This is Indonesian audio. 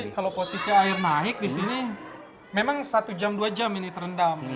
kalau posisi air naik di sini memang satu jam dua jam ini terendam